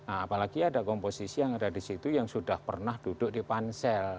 apalagi ada komposisi yang ada di situ yang sudah pernah duduk di pansel